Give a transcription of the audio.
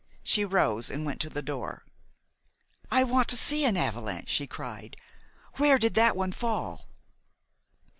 She rose and went to the door. "I want to see an avalanche," she cried. "Where did that one fall?"